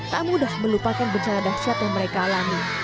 tak mudah melupakan bencana dahsyat yang mereka alami